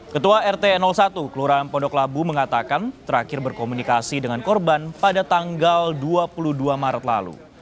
ketua rt satu kelurahan pondok labu mengatakan terakhir berkomunikasi dengan korban pada tanggal dua puluh dua maret lalu